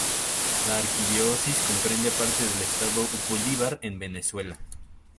La arquidiócesis comprende parte del estado Bolívar en Venezuela.